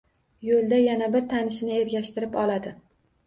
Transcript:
Yo‘lda yana bir tanishini ergashtirib oladi.